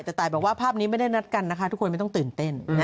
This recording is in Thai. แต่ตายบอกว่าภาพนี้ไม่ได้นัดกันนะคะทุกคนไม่ต้องตื่นเต้น